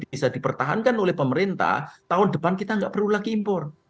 bisa dipertahankan oleh pemerintah tahun depan kita nggak perlu lagi impor